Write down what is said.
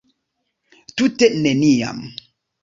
Tute neniam.